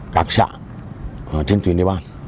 các xã trên tuyến địa bàn